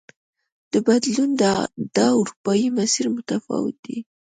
د بدلون دا اروپايي مسیر متفاوت دی.